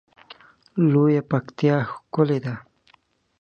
لویه پکتیا ښکلی ده